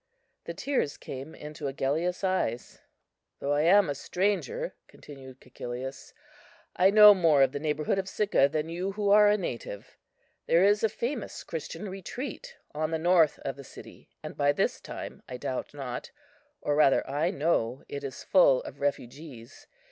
The tears came into Agellius's eyes. "Though I am a stranger," continued Cæcilius, "I know more of the neighbourhood of Sicca than you who are a native. There is a famous Christian retreat on the north of the city, and by this time, I doubt not, or rather I know, it is full of refugees.